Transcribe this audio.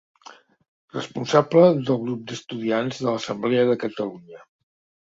Responsable del Grup d'Estudiants de l'Assemblea de Catalunya.